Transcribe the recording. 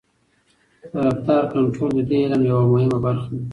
د رفتار کنټرول د دې علم یوه مهمه برخه ده.